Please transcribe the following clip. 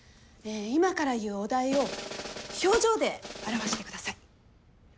今から言うお題を表情で表してください。